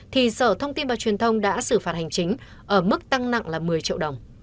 thì sở thông tin và truyền thông đã xử phạt hành chính ở mức tăng nặng là một mươi triệu đồng